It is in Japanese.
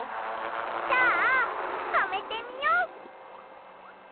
じゃあはめてみよ。